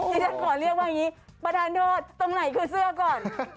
ที่ฉันขอเรียกว่าอย่างนี้ประธานโทษตรงไหนคือเสื้อก่อน